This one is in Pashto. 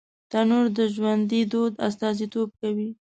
تنور د ژوندي دود استازیتوب کوي